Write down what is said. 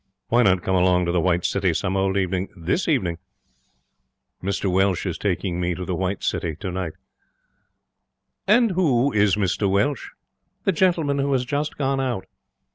Why not come along to the White City some old evening? This evening?' 'Mr Welsh is taking me to the White City tonight.' 'And who is Mr Welsh?' 'The gentleman who has just gone out.'